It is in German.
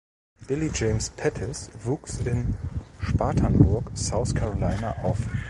Billy James Pettis wuchs in Spartanburg, South Carolina, auf.